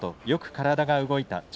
よく体が動いた。